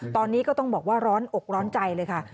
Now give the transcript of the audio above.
ตอนนี้ก็ต้องบอกว่าร้อนอกร้อนใจเลยค่ะ